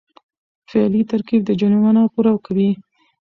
فعلي ترکیب د جملې مانا پوره کوي.